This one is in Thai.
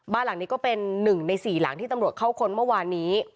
บ้านหลังนี้ก็เป็น๑ใน๔หลังที่ตำรวจเข้าค้นเมื่อวานนี้